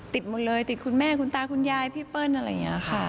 ติดหมดเลยติดคุณแม่คุณตาคุณยายพี่เปิ้ลอะไรอย่างนี้ค่ะ